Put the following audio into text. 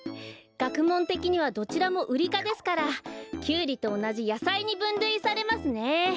がくもんてきにはどちらもウリかですからキュウリとおなじやさいにぶんるいされますね。